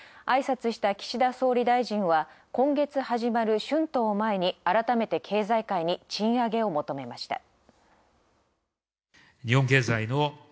挨拶した岸田総理大臣は今月始まる春闘を前に改めて経済界に賃上げを求めました。